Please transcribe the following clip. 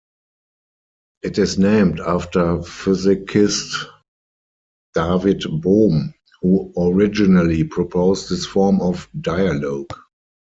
It is named after physicist David Bohm who originally proposed this form of dialogue.